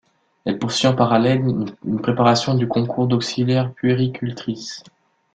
Elle poursuit en parallèle une préparation du concours d’auxiliaire puéricultrice.